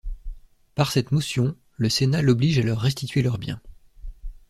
Par cette motion, le Sénat l'oblige à leur restituer leurs biens.